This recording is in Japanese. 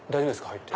入って。